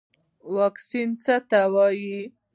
واکسین څه ته وایي